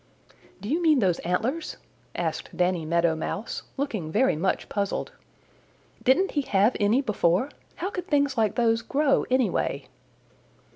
"Do you mean those antlers?" asked Danny Meadow Mouse, looking very much puzzled. "Didn't he have any before? How could things like those grow, anyway?"